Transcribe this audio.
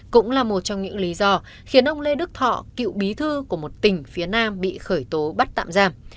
cũng là một trong những lý do khiến ông lê đức thọ cựu bí thư của một tỉnh phía nam bị khởi tố bắt tạm giam